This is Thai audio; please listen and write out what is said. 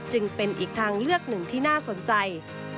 จึงเป็นอีกทางเลือกหนึ่งที่น่าสนใจ